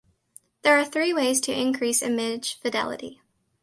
There are three ways to increase image fidelity.